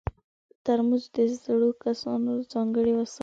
ترموز د زړو کسانو ځانګړی وسایل دي.